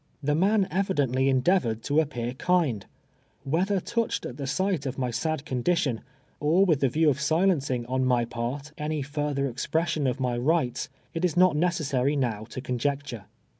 The man e\idently endeavored toap])ear kind — whether touched at the sight of my sad condi tion, or with the view of silencing, on my part, any THE wTTirriNG. • 47 furtlier expression of rny rights, it is not necessary now to conjectui'e.